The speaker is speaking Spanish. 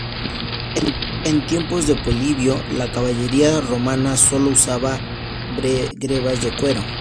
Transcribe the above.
En tiempos de Polibio, la caballería romana sólo usaba grebas de cuero.